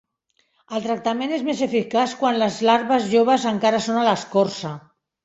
El tractament és més eficaç quan les larves joves encara són a l'escorça.